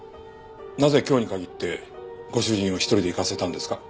なぜ今日に限ってご主人を１人で行かせたんですか？